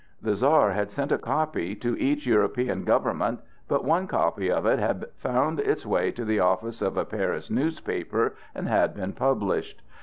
The Czar had sent a copy to each European government, but one copy of it had found its way to the office of a Paris newspaper and had been published.